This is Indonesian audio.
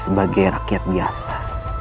sebagai rakyat biasa